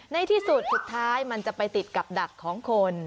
ในที่สุดสุดท้ายมันจะไปติดกับดักของคน